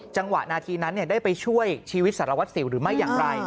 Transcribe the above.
จังหวะนาทีนั้นได้ไปช่วยชีวิตสารวัตรสิวหรือไม่อย่างไร